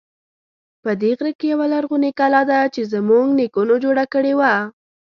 په دې غره کې یوه لرغونی کلا ده چې زمونږ نیکونو جوړه کړی و